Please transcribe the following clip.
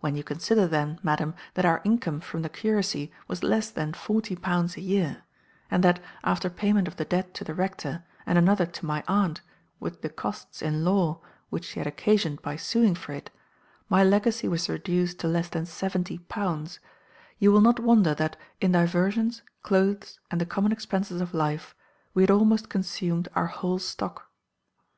When you consider then, madam, that our income from the curacy was less than forty pounds a year, and that, after payment of the debt to the rector, and another to my aunt, with the costs in law which she had occasioned by suing for it, my legacy was reduced to less than seventy pounds, you will not wonder that, in diversions, cloaths, and the common expenses of life, we had almost consumed our whole stock.